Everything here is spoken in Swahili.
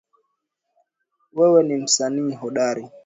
Wewe ni msanii hodari